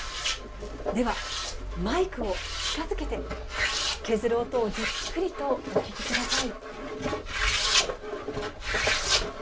ではマイクを近づけて削る音をじっくりとお聞き下さい。